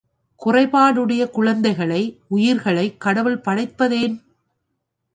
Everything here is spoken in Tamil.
குறைபாடுடைய குழந்தைகளை உயிரிகளைக் கடவுள் படைப்பதேன்?